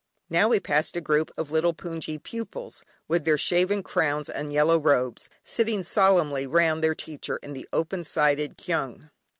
Now we passed a group of little hpoongyi pupils with their shaven crowns and yellow robes, sitting solemnly round their teacher in the open sided kyaung.